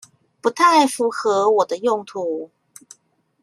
不太符合我的用途